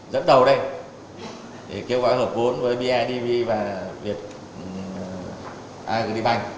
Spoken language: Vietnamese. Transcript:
dẫn đầu đây để kêu gọi hợp vốn với bidv và việt agribank